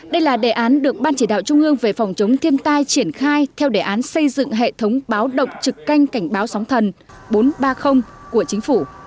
đây là đề án được ban chỉ đạo trung ương về phòng chống thiên tai triển khai theo đề án xây dựng hệ thống báo động trực canh cảnh báo sóng thần bốn trăm ba mươi của chính phủ